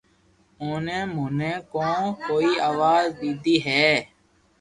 اوني موئي ڪون ڪوئي آوا ديدو ھي